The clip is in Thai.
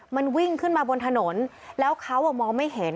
มันวิ่งขึ้นมาบนถนนแล้วเขามองไม่เห็น